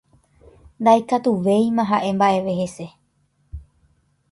Ndaikatuvéima ha'e mba'eve hese.